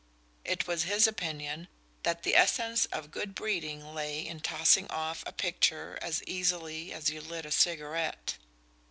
It was his opinion that the essence of good breeding lay in tossing off a picture as easily as you lit a cigarette.